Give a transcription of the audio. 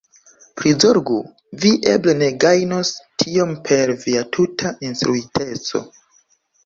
Prizorgu! Vi eble ne gajnos tiome per via tuta instruiteco.